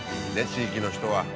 地域の人は。